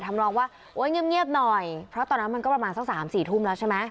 น้องว่าเงียบหน่อยเพราะตอนนั้นมันก็ประมาณสักสามสี่ทุ่มแล้วใช่ไหม